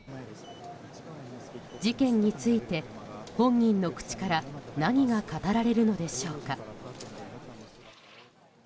事件について、本人の口から何が語られるのでしょうか。